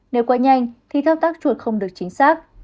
nếu quá nhanh thì thao tác chuột không được chính xác